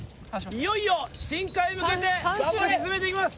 いよいよ深海へ向けて沈めていきます